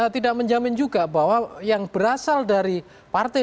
tidak menjamin juga bahwa yang berasal dari partai